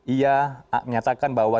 ia menyatakan bahwa